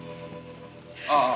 ああ。